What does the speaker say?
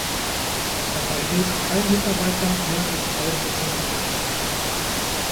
Dabei hält kein Mitarbeiter mehr als drei Prozent der Anteile.